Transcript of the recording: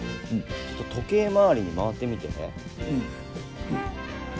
ちょっと時計回りに回ってみて。